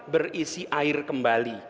berisi air kembali